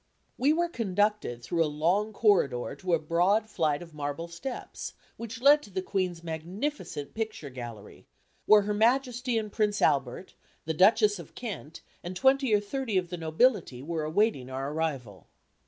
We were conducted through a long corridor to a broad flight of marble steps, which led to the Queen's magnificent picture gallery, where Her Majesty and Prince Albert, the Duchess of Kent, and twenty or thirty of the nobility were awaiting our arrival.